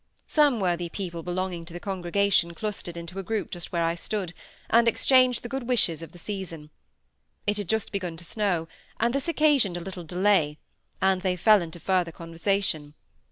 Some worthy people belonging to the congregation clustered into a group just where I stood, and exchanged the good wishes of the season. It had just begun to snow, and this occasioned a little delay, and they fell into further conversation.